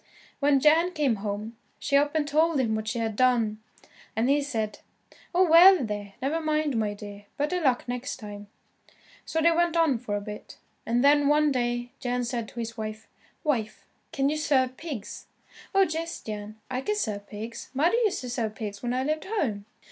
When Jan came home, she up and told him what she had done, and he said, "Oh, well, there, never mind, my dear, better luck next time." So they went on for a bit, and then, one day, Jan said to his wife, "Wife can you serve pigs?" "Oh, yes, Jan, I can serve pigs. Mother used to serve pigs when I lived home."